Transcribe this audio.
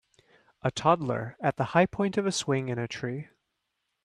A toddler at the high point of a swing in a tree.